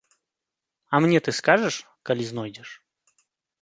А мне ты скажаш, калі знойдзеш?